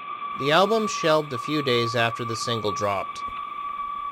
The album shelved a few days after the single dropped.